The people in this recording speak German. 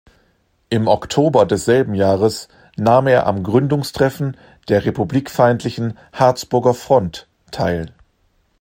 Im Oktober desselben Jahres nahm er am Gründungstreffen der republikfeindlichen Harzburger Front teil.